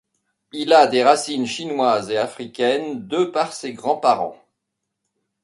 Il a des racines chinoises et africaines de par ses grands-parents.